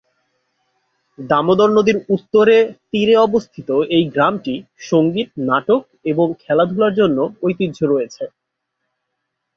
দামোদর নদীর উত্তরে তীরে অবস্থিত এই গ্রামটি সংগীত, নাটক এবং খেলাধুলার জন্য ঐতিহ্য রয়েছে।